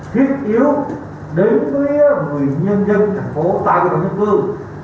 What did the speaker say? thiết yếu đến với người nhân dân thành phố tại hồ chí minh phương